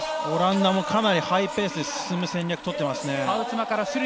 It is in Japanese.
オランダもかなりハイペースで戦略をとっています。